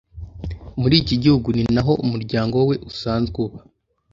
muri iki gihugu ni naho umuryango we usanzwe uba